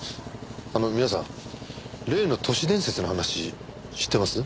あの皆さん例の都市伝説の話知ってます？